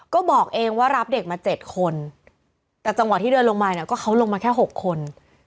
ก็บอกเองว่ารับเด็กมา๗คนแต่จังหวะที่เดินลงมาเนี่ยก็เขาลงมาแค่๖คน